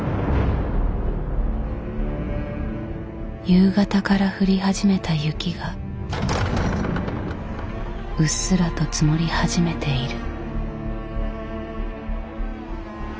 夕方から降り始めた雪がうっすらと積もり始めている。